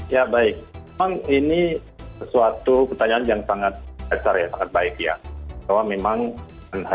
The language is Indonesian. ya baik memang ini sesuatu pertanyaan yang sangat besar ya sangat baik ya